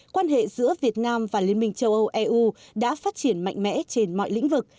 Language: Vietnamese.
quan hệ giữa việt nam và liên minh châu âu eu đã phát triển mạnh mẽ trên mọi lĩnh vực